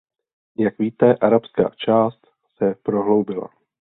Jak víte, arabská část se prohloubila.